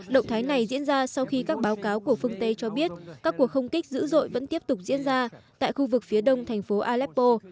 động thái này diễn ra sau khi các báo cáo của phương tây cho biết các cuộc không kích dữ dội vẫn tiếp tục diễn ra tại khu vực phía đông thành phố aleppo